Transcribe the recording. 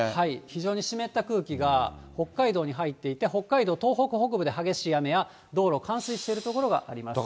非常に湿った空気が北海道に入っていて、北海道、東北北部で、激しい雨や道路、冠水している所があります。